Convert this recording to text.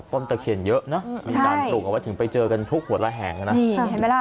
ต้นตะเขียนเยอะนะใช่มีการปลูกเอาไว้ถึงไปเจอกันทุกหัวระแหงน่ะ